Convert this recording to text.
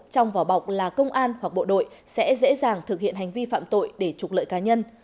trong vỏ bọc là công an hoặc bộ đội sẽ dễ dàng thực hiện hành vi phạm tội để trục lợi cá nhân